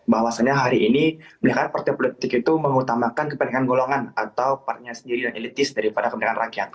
bahwasannya hari ini mereka partai partai elit itu mengutamakan kepentingan golongan atau partai partainya sendiri yang elitis daripada kepentingan rakyat